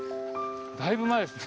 だいぶ前っすね。